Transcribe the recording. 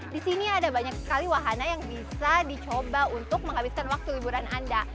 disini ada banyak kali wahana yang bisa dicoba untuk menghabiskan waktu liburan anda